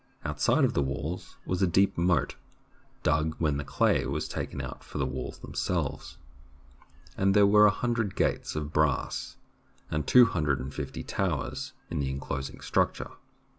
Outside of the walls was a deep moat, dug when the clay was taken out for the walls themselves, and there were a hundred gates of brass and two hundred and fifty towers in the enclosing structure.